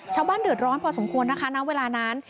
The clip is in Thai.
ชาวบ้านเดือดร้อนพอสมควรนะคะณเวลานั้น